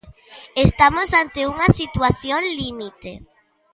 Estamos ante unha situación límite.